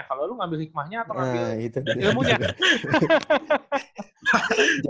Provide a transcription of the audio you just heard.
kalau lu ngambil hikmahnya atau ngambil ilmunya